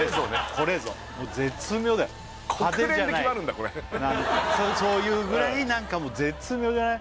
これぞもう絶妙だよ派手じゃないそういうぐらいなんかもう絶妙じゃない？